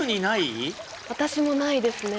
私もないですね。